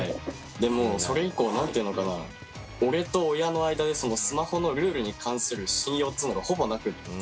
でもうそれ以降何て言うのかな俺と親の間でそのスマホのルールに関する信用っつうのがほぼなくって。